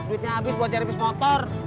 duitnya abis buat cari pis motor